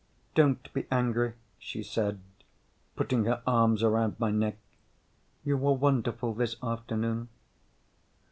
"Don't be angry," she said, putting her arms around my neck. "You were wonderful this afternoon."